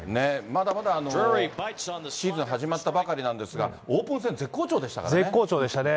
まだまだシーズン始まったばかりなんですが、オープン戦、絶絶好調でしたね。